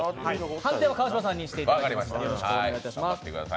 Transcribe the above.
判定は川島さんにしていただきます。